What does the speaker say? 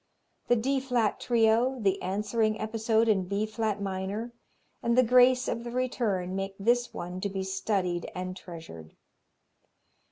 The D flat Trio, the answering episode in B flat minor, and the grace of the return make this one to be studied and treasured.